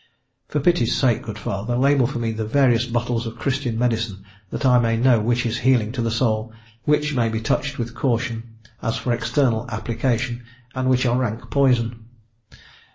For pity's sake, good father, label for me the various bottles of Christian medicine, that I may know which is healing to the soul, which may be touched with caution, as for external application, and which are rank poison."